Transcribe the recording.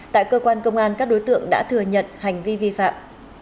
tại cơ quan công an các đối tượng đã thừa nhận hành vi vi phạm